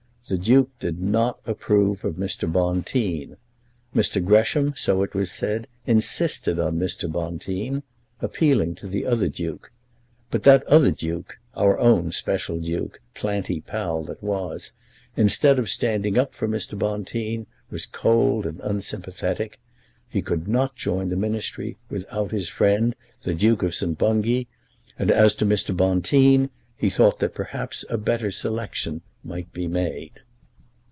The Duke did not approve of Mr. Bonteen. Mr. Gresham, so it was said, insisted on Mr. Bonteen, appealing to the other Duke. But that other Duke, our own special Duke, Planty Pall that was, instead of standing up for Mr. Bonteen, was cold and unsympathetic. He could not join the Ministry without his friend, the Duke of St. Bungay, and as to Mr. Bonteen, he thought that perhaps a better selection might be made.